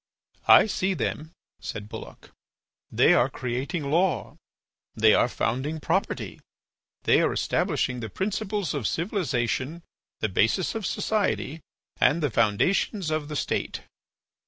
"I see them," said Bulloch. "They are creating law; they are founding property; they are establishing the principles of civilization, the basis of society, and the foundations of the State."